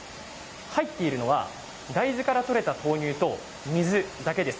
入っているのは大豆からとれた豆乳と水だけです。